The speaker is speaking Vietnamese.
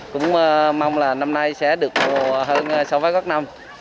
cũng mong là năm nay sẽ được hơn sáu năm năm